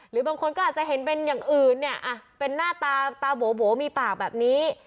หรือบางคนก็อาจจะเห็นเป็นอย่างอื่นเนี่ยเป็นหน้าตาตาโบ๋มีปากแบบนี้